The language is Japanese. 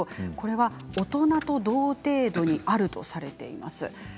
これは大人と同程度にあるとされています。